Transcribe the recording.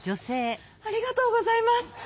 ありがとうございます。